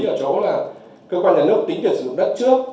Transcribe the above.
ở chỗ là cơ quan nhà nước tính tiền sử dụng đất trước